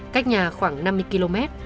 cách nhà khoảng năm mươi km